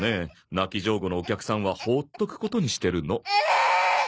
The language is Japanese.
泣き上戸のお客さんは放っとくことにしてるの。